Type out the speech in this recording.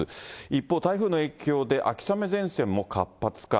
一方、台風の影響で秋雨前線も活発化。